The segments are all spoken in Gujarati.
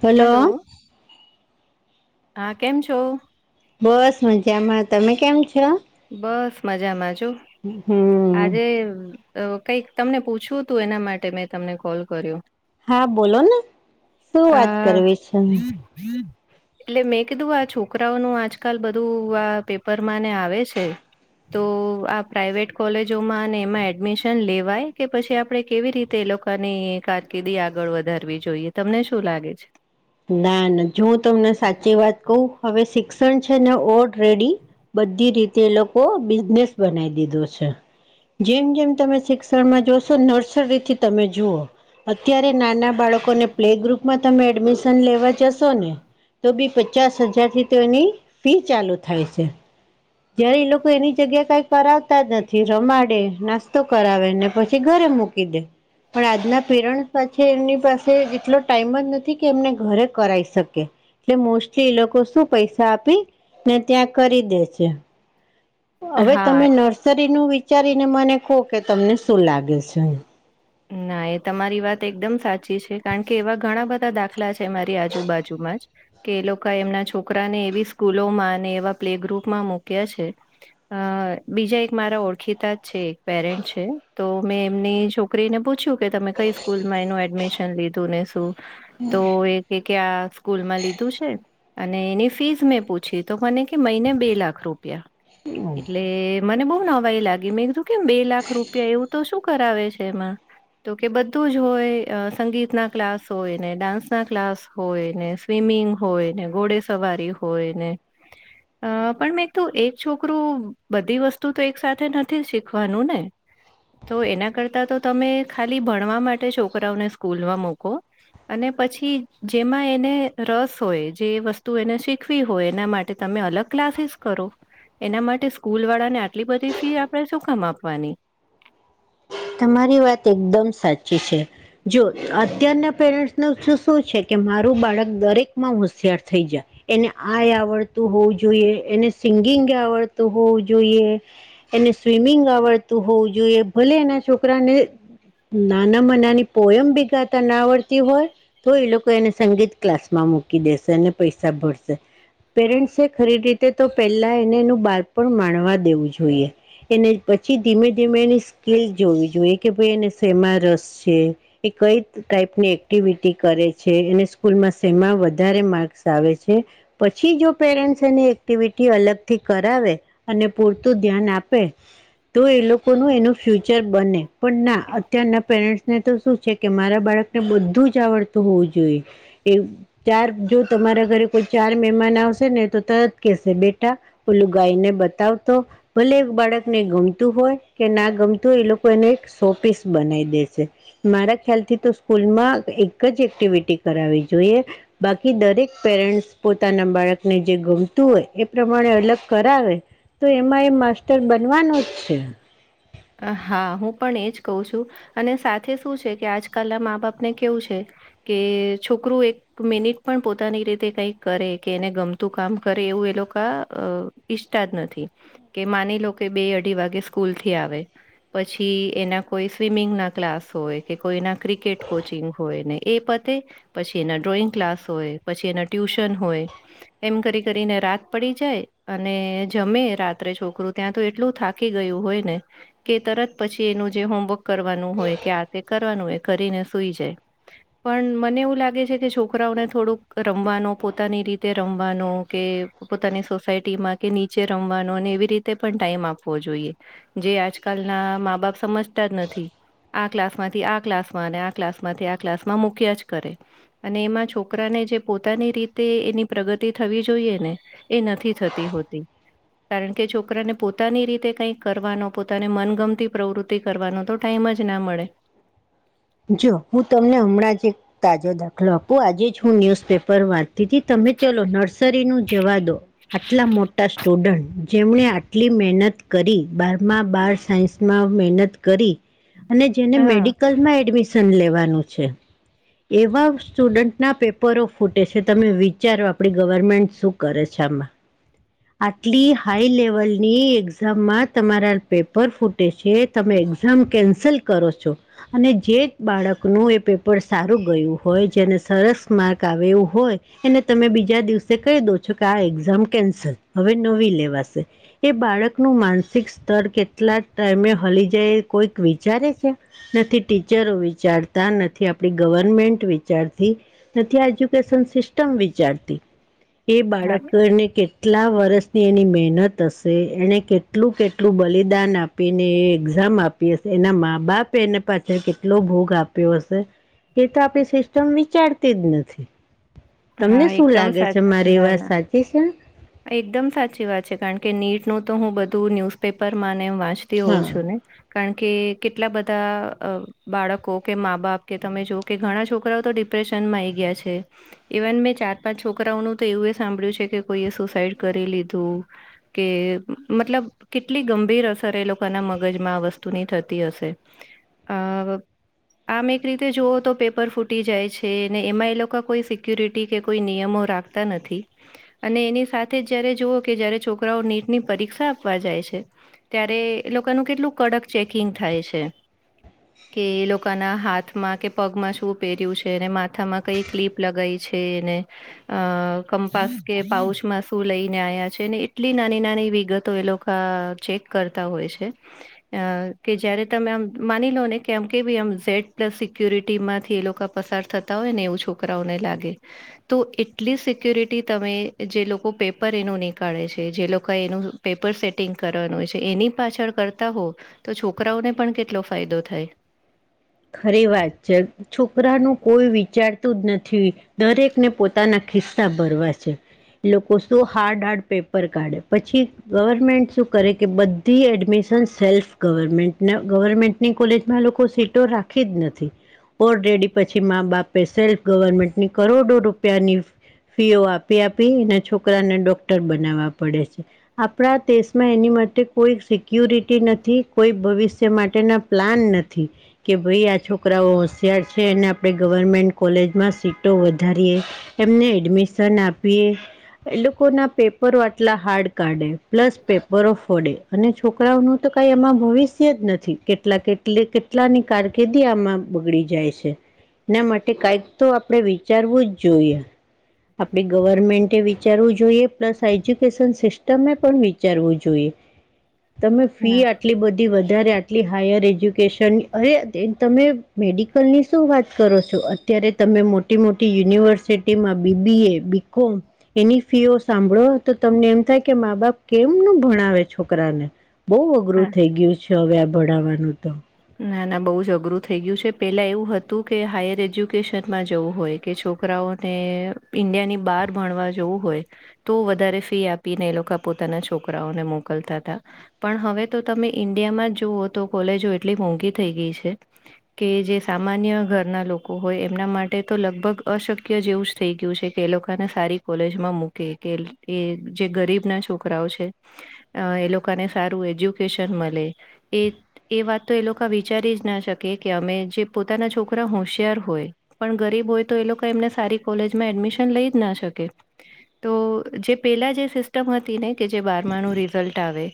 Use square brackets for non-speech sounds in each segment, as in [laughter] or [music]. હલો. હા કેમ છો. બસ મજામાં તમે કેમ છો. બસ મજામાં છું હમ આજે કઈક તમને પૂછવું હતું એના માટે મેં તમને કોલ કર્યો. હા બોલો ને શું વાત આ કરવી છે. એટલે મેં કીધું આ છોકરાઓનું આજકાલ બધું આ પેપરમાં ને આવે છે તો આ પ્રાાઈવેટ કોલેજોમાં અને એમાં એડમિશન લેવાય કે પછી આપડે કેવી રીતે કા ની કારકિર્દી આગળ વધારવી જોઈએ તમને શું લાગે છે. ના ના જો તમને સાચી વાત કવ હવે શિક્ષણ છે ને ઓડ રેડી બધી રીતે એ લોકો બિઝનેસ બનાવી દીધો છે. જેમ જેમ તમે શિક્ષણમાં જોશો નર્સરીથી તમે જુઓ અત્યારે નાના બાળકોને પ્લે ગ્રુપમાં તમે એડમિશન લેવા જશો ને તો બી પચાસ હજાર થી તો એની ફી ચાલુ થાય છે. જયારે લોકો એની જગ્યા કઈ કરાવતા જ નથી રમાડે નાસ્તો કરાવેને પછી ઘર મુકી દે પણ આજના પેરન્સ એમની પાસે એટલો ટાઈમ જ નથી. કે એમને ઘરે કરાઈ શકે એટલે મોસ્ટલી એ લોકો શું પૈસા આપી ને ત્યાં કરી દે છે. છે હવે હા તમે નર્સરીનું વિચારીને મને કહો કે તમને શું લાગે છે. ના એ તમારી વાત એકદમ સાચી છે કારણ કે એવા ઘણા બધા દાખલા છે મારી આજુબાજુ કે એ લોકો એમના છોકરાને એવી સ્કૂલોમાં અને એવા પ્લે ગ્રુપમાં મૂક્યા છે અ બીજા એક મારા ઓળખીતા જ છે એક પેરેન્ટ છે તો મેં એમની છોકરી છોકરીને પૂછ્યું કે તમે કઈ સ્કૂલમાં એનું એડમિશન લીધું ને શું તો એક ક્યાં સ્કૂલમાં લીધું છે અને એની ફીસ મેં પૂછી તો મને કે મહિને બે લાખ રૂપ એટલે મને બહુ નવાઈ લાગી મેં કીધું કેમ બે લાખ રૂપિયા એવું તો શું શું કરાવે છે એમાં. તો કે બધું જ હોય સંગીતના ક્લાસ હોય ને ડાન્સના ક્લાસ હોય ને સ્વિમિ મીંગ હોયને ઘોડે સવારી હોય ને અ પણ મેં તું એક છોકરું બધી વસ્તુ તો એક સાથે નથી શીખવાનું ને તો એના કરતા તો તમે ખાલી ભણવા માટે છોકરાઓને સ્કૂલમાં મૂકો અને પછી જેમાં એને રસ હોય જે વસ્તુ એને શીખવી હોય એના માટે તમે મેં અલગ ક્લાસીસ કરો. એના માટે સ્કૂલવાળા ને આટલી બધી ફી આપણે સુકામ આપવાની. તમારી વાત એકદમ સાચી છે. જો અત્યારના પેરેન્ટ્સનુ શું છે કે મારું બાળક દરેક માં હોશિયાર થઈ જાય. એને આય આવડતું હોવું જોઈએ એને સિંગિંગ આવડતું હોવું જોઈએ. એને સ્વિમિંગ આવડતું હોવું જોઈએ ભલે એના છોકરાને નાનામાં નાની પોયમ ભી ગાતા ના આવડતી હોય તો એ લોકો એને સંગીત ક્લાસ માં મૂકી દેશે અને પૈસા ભરસે. પેરેન્ટ્સે ખરી રીતે તો પહેલા એને એનું બાળપણ માણવા દેવું જોઈએ. એને પછી ધીમે-ધીમે એની સ્કીલ જોવી જોઈએ કે ભાઈ એને સેમા રસ છે એ કઈ ટાઈપની એક્ટિવિટી કરે છે. એને સ્કૂલમાં સેમાં વધારે માર્ક્સ આવે છે પછી જો પેરેન્ટ એની એક્ટિવિટી અલગથી કરાવે અને પૂરતું ધ્યાન આપે તો એ લોકોનુ એનું ફ્યુચર ફયુચર બને પણ ના અત્યારના પેરેન્ટ્સને તો શું છે કે મારા બાળકને બધું જ આવડતું હોવું જોઈએ એવુ ચાર જો તમારા ઘરે કોઈ ચાર મહેમાન આવશે ને તો તરત કેશે બેટા ઓલું ગાયને બતાવતો ભલે બાળકને ગમતું હોય કે ના ગમતું તો એ લોકો એને એક સો પીસ બનાવી દેશે મારા ખ્યાલ થી તો સ્કૂલમાં એક જ એક એક્ટિવિટી કરાવવી જોઈએ બાકી દરેક પેરેન્ટ્સ પોતાના બાળકને જે ગમતું હોય એ એ પ્રમાણે અલગ કરાવે તો એમાં એ માસ્ટર બનવાનો જ છે. હા હું પણ એજ કઉ છું અને સાથે શું છે કે આજકાલના મા બાપને કેવું છે. કે છોકરું એક મિનિટ પણ પોતાની રીતે કઈક કરે કે એને ગમતું કામ કરે એવું એ લોક એ લોકા અ ઈચ્છતા જ નથી કે માની લો કે બે અઢી વાગે સ્કૂલથી આવે. પછી એના કોઈ સ્વિમિંગના ક્લાસ હોય કે કોઈના ક્રિકેટ કોચિંગ હોય ને એ પતે પછી એના ડ્રોઈંગ ક્લાસ હોય પછી એના ટ્યુશન હોય એમ કરી કરીને રાત રાત પડી જાય અને જમે રાત્રે છોકરું ત્યાં તો એટલું થાકી ગયું હોય ને. કે તરત પછી એનું જે હોમવર્ક કરવાનું હોય કે આ તે કરવાનું હોય કરીને સુઈ જાય. પણ મને એવું લાગે છે કે છોકરાઓને થોડુંક રમવાનો પોતાની રીતે રમવાનો કે પોતાની સોસાયટીમાં કે નીચે રમવાનો અને એવી રીતે પણ ટાઈમ આપવો જોઈએ જે આજ આજકાલના મા બાપ સમજતા જ નથી. આ ક્લાસમાંથી આ ક્લાસમાં અને આ ક્લાસમાંથી આ ક્લાસમાં મૂક્યાં જ કરે અને એમાં છોકરાને જે પોતાની રીતે એની પ્રગતિ થવી જોઈએ ને એ નથી થતી હોતી. કારણ કે છોકરાને પોતાની રીતે કઈ કરવાનો પોત તને મનગમતી પ્રવૃત્તિ કરવાનો તો ટાઈમ જ ના મળે. જો હું તમને હમણાં જ એક તાજો દાખલો આપું આજે જ હું ન્યુઝપેપર વાંચતી દીદી તમે ચલો નર્સરીનું જવા દો આટલા મોટા સ્ટુડન્ટ જેમણે આટલી મહેનત કરી બારમાં બાર સાયન્સમાં મહેનત કરી. અને જેને હા મેડિકલમાં એડમિશન લેવાનું છે. એવા સ્ટુડન્ટના પેપરો ફૂટે છે તમે વિચારો આપડી ગવર્મેન્ટ શું કરે છે. [unintelligible] આટલી હાઈલેવલની એક્ઝામમાં તમારા પેપર ફૂટે છે તમે એક્ઝામ કેન્સલ કરો છો અને જે બાળકનું એ પેપર સારું ગયું હોય જે ને સરસ માર્ક આવે એવું હોય એને તમે બીજા દિવસે કહી દો છો કે આ એક્ઝામ કેન્સલ. હવે નવી લેવાશે એ બાળકનું માનસિક સ્તર કેટલા ટાઈમે હલી જાય. કોઈક વિચારે છે નથી ટીચરો વિચારતા નથી આપડી ગવર્મેન્ટ વિચારતી. નથી એજ્યુકેશન સિસ્ટમ વિચારતી. હ [inaudible] એ બાળક તો એને કેટ આ વર્ષની એની મહેનત હશે એને કેટલું કેટલું બલિદાન આપીને એ એક્ઝામ આપી હશે એના મા બાપ એને પાસે કેટલો ભોગ આપ્યો હશે. એ તો આપણી સિસ્ટમ વિચારતી જ નથી. તમને હા શું એકદમ લાગે સાચ છે મારી ના વાત ના સાચી છે. એકદમ સાચી વાત છે કારણ કે નીટ નું તો હું બધું ન્યુઝપેપરમાં ને વાંચતી હોઉં હા છું ને. કારણ કે કેટલા બધા બાળકો કે મા બાપ કે તમે જો કે ઘણા છોકરાઓ તો ડિ ડિપ્રેસન મા આવી ગયા છે ઈ વન મેં ચાર પાંચ છોકરાઓનું તો એવું સાંભળ્યું છે કે કોઈ એ શુસા શુસાઈડ કરી લીધું કે મતલબ કેટલી ગંભીર અસર એ લોકોના મગજમાં આ વસ્તુની થતી હશે આ આમ એક રીતે જુઓ તો પેપર ફૂટી જાય છે ને એમાં એ લોકો કોઈ સિક્યુરિટી કે કોઈ નિયમો રાખતા નથી અને એની સાથ તે જયારે જુઓ કે જયારે છોકરાઓ નીટની પરીક્ષા આપવા જાય છે ત્યારે એ લોકોનું કેટલું ક કડક ચેકિંગ થાય છે. કે એ લોકોના હાથમાં કે પગમાં શું પહેર્યું છે અને માથામાં કઈ ક્લિપ લગાઈ છે. છે એને અ કંપાસ કે પાઉચમાં શુ લઈને આવ્યા છે ને એટલી નાની નાની વિગતો એ લોકો આ ચેક કરતા હોય છે. અ કે જયારે તમે આમ માની લો ને કે આમ કેવી આમ ઝેડ પ્લસ સિક્યુરિટી માંથી એ લોકો પસં [unintelligible] હોયને એવું છોકરાઓને લાગે તો એટલી સિક્યોરિટી તમે જે લોકો પેપર એનું નીકાળે છે જે લોકો એનું પેપર સેટિંગ કરવાનું હોય છે એની પાછળ કરતાં હો તો છોકરાઓને પણ કેટલો ફાયદો થાય. ખરી વાત છે છોકરાનું કોઈ વિચારતું જ નથી દરેકને પોતાના ખિસ્સા ભરવા છે. લોકો શું હાર્ડ હાર્ડ પેપર કાઢે પછી ગવર્મેન્ટ શું કરે કે બધી એડમિ શન સેલ્ફ ગવર્મેન્ટ ગવર્મેન્ટની કોલેજમાં લોકો સીટો રાખ રાખી જ નથી ઓર રેડી પછી મા બાપે સેલ્ફ ગવર્મેન્ટ ની કરોડો રૂપિયાની ફીઓ આપી આપી અને છોકરાને ડોક્ટર બનાવવા પડે છે આપણા દેશમાં એની માટે કોઈ સિક્યોરિટી નથી કોઈ ભવિષ્ય માટેના પ્લાન નથી. કે ભઈ આ છોકરાઓ હોશિયાર છે એને આપણે ગવર્મેન્ટ કોલેજમાં સીટો વધારીએ એમ ને એડમિશન આપીએ. એ લોકો ના પેપરો આટલા હાર્ડ કાઢે પ્લસ પેપરો ફોડે અને છોકરાઓનું તો કઇ એમાં ભવિષ્ય જ નથી કેટલા કેટલી કેટલા ની કારકિર્દી આમાં બગડી જાય છે. એના માટે કંઈક તો આપણે વિચારવું જ જોઈએ. આપડી ગવર્મેન્ટે વિચારવું જોઈએ પ્લસ એજ્યુકેશન સિસ્ટમે પણ વિચારવું જોઈએ. [inaudible] તમે ફી ના આટલી બધી વધારે આટલી હાયર એજ્યુકેશન અરે તે તમે મેડિકલની શું વાત કરો છો અત્યારે તમે મોટી મોટી યુનિવર્સિટ ર્સિટીમાં બી બી એ બી કોમ એની ફીઓ સાંભળો તો તમને એમ થાય કે મા બાપ કેવું ક હું હું ભણાવે છોકરાને બહુ અઘરું હા. થઈ ગયું છે હવે આ ભણાવવાનું તો. ના ના બહુ જ અઘરું થઈ ગયું છે પેલા એવું હતું કે હાયર એજ્યુકેશનમાં જવું હોય કે છોકરાઓ હો તે ઈન્ડિયાની બાર ભણવા જોવું હોય તો વધારે ફી આપીને એ લોકો પોતાના છોકરાઓ ને મોકલતાતા પણ હવે તમે ઈન્ડિયામાં જુઓ તો કોલેજો એ એટલી મોંઘી થઈ ગઈ છે કે જે સામાન્ય ઘરના લોકો હોય એમના માટે તો લગભગ અશકય જેવું જ થઈ ગયું છે કે એ લોકોને સારી કોલેજમાં મૂકે કે એ જે ગરીબના છોકરા છે એ લોકોને સારું એજ્યુકેશન મલે એ એ વાત તો એ લોકો વિચારી જ ના શકે કે અમે જે પોતાના છોકરા હોશિયાર હોય પણ ગરીબ હોય તો એ એ લોકના એમને સારી કોલેજમાં એડમિશન લઈ જ ના શકે તો જે પેલા જે સિસ્ટમ હત હતી નઈ કે જે બારમાણું રિઝલ્ટ આવે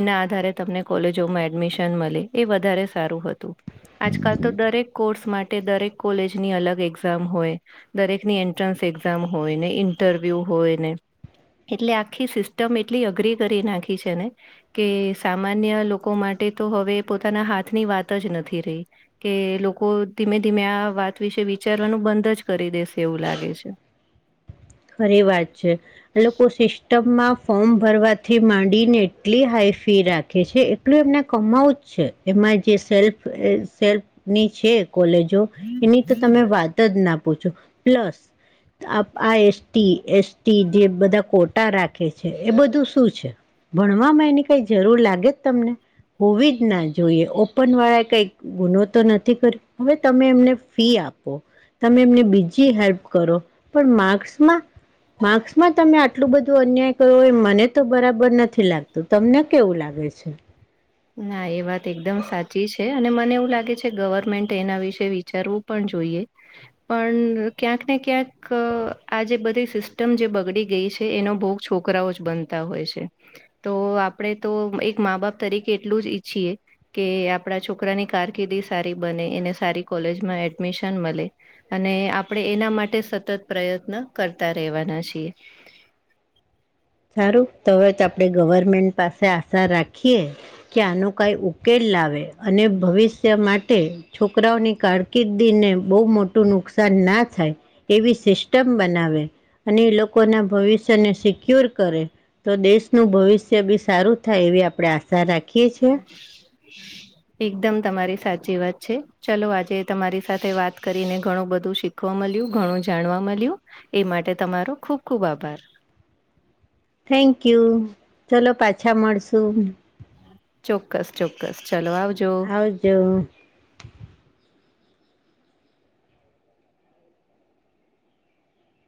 એના આધારે તમને કોલેજોમાં એડમિશન મળે. એ વધારે સારું હતું. આજકાલ તો દરેક કોર્સ માટે દરેક કોલેજની અલગ એક્ઝામ હોય દરેકની એન્ટ્રન્સ એઝામ હોય ને ઇન્ટરવ્યુ હોય ને એટલે આખી સિસ્ટમ એટલી અઘરી કરી નાખી છે ને કે સામાન્ય લોકો માટ તો હવે પોતાના હાથની વાત જ નથી રહી કે લોકો ધીમે ધીમે આ વાત વિશે વિચારવાનું બંધ જ કરી દેશે એવું લાગે છે. ખરી વાત છે એ લોકો સિસ્ટમમાં ફોર્મ ભરવાથી માંડી ને એટલી હાઈ ફી રાખે છે એટલું એમને કમાવું જ છે, એમાં જે સેલ્ફ સેલ્ફની છે કોલેજો એની તો તમે વાત જ ના પૂછો પ્લસ આ એસટી, એસી જે બધા કોટા રાખે છે એ બધું શું છે ભણવામાં એની કઈ જરૂર લાગે જ તમને હોવી જ ના જોઈએ ઓપન વાળા કઈક ગુનો તો નથી કર્યો હવે તમે એમને ફી આપ આપો, તમે એમને બીજી હેલ્પ કરો, પણ માર્ક્સમાં [unintelligible] [inaudible] માર્ક્સમાં તમે આટલું બધું અન્યાય કરો હોય મને તો બરાબર નથી લાગતું, તમને કેવું લાગે છે? [inaudible] [unintelligible] ના એ વાત એકદમ સાચી છે. અને મને એવું લાગે છે ગવર્મેન્ટ એના વિશે વિચારવું પણ જોઈએ, પણ ક્યાંક ને ક્યાંક આજે બધી સિસ્ટમ જે બગડી ગઈ છે એનો ભોગ છોકરાઓ જ બનતા હોય છે તો આપણે તો એક મા બાપ તરીકે એટલું જ ઈચ્છીએ કે આપણા છોકરાની કારકિર્દી સારી બને એને સારી કોલેજમાં એડમિશન મલે અને આપણે એના માટે સતત પ્રયત્ન કરતા રહેેવાના છીએ. [unintelligible] સારું તવે જ આપણેે ગવર્મેન્ટ પાસે આશા રાખીએ કે આનો કઈ ઉકેલ લાવે અને ભવિષ્ય માટે છોકરાઓની કારકિર્દીને બહુ મોટું નુકસાન ના થાય એવી સિસ્ટમ બનાવે અને લોકોના ભવિષ્યને સિક્યોર કરે તો દેશનુ ભવિષ્ય બી સારું થાય એવી આપડે આશા રાખીએ. છીએ હમ. એકદમ તમારી સાચી વાત છે ચલો આજે તમારી સાથે વાત કરીને ઘણું બધું શીખવા મળે. ઘણું જાણવા મળ્યું એ માટે તમારો ખૂબ ખૂબ આભાર. થેન્ક યુ ચલો પાછા મળશુ. ચોક્કસ ચોક્કસ ચલો આવજો. આવજો